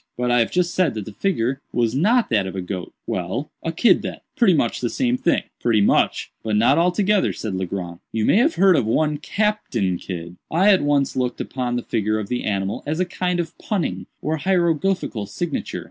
"But I have just said that the figure was not that of a goat." "Well, a kid then—pretty much the same thing." "Pretty much, but not altogether," said Legrand. "You may have heard of one Captain Kidd. I at once looked upon the figure of the animal as a kind of punning or hieroglyphical signature.